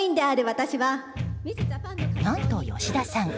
何と吉田さん